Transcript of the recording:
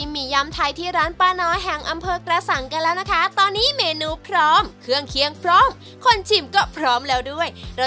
มียำไทยที่ร้านป้าน้อยแห่งอำเภอกระสังกันแล้วนะคะตอนนี้เมนูพร้อมเครื่องเคียงพร้อมคนชิมก็พร้อมแล้วด้วย